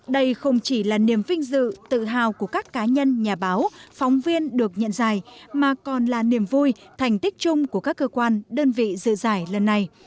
điểm vinh dự tự hào của các cá nhân nhà báo phóng viên được nhận giải mà còn là niềm vui thành tích chung của các cơ quan đơn vị dự giải lần này